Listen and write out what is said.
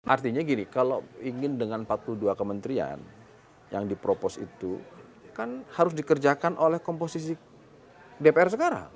artinya gini kalau ingin dengan empat puluh dua kementerian yang dipropos itu kan harus dikerjakan oleh komposisi dpr sekarang